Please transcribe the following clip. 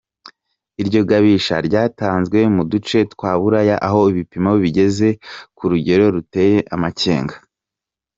Iryo gabisha ryatanzwe mu duce twa Buraya aho ibipimo bigeze ku rugero ruteye amakenga.